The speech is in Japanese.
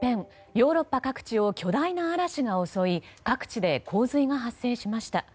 ヨーロッパ各地を巨大な嵐が襲い各地で洪水が発生しました。